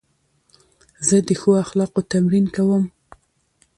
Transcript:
زه د ښو اخلاقو تمرین کوم.